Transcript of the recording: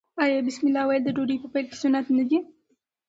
آیا بسم الله ویل د ډوډۍ په پیل کې سنت نه دي؟